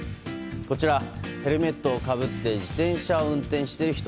こちら、ヘルメットをかぶって自転車を運転している人。